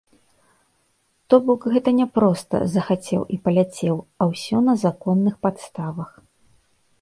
То бок, гэта не проста, захацеў і паляцеў, а ўсё на законных падставах.